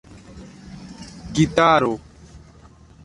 gitaro